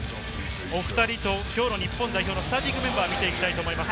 お２人とは今日の日本代表のスターティングメンバーを見ていきます。